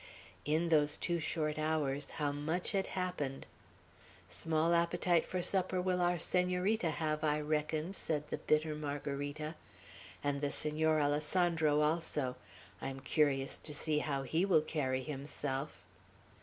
In those two short hours how much had happened! "Small appetite for supper will our Senorita have, I reckon," said the bitter Margarita, "and the Senor Alessandro also! I'm curious to see how he will carry himself."